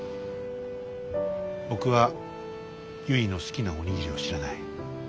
僕はゆいの好きなお握りを知らない。